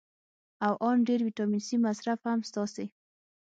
او ان ډېر ویټامین سي مصرف هم ستاسې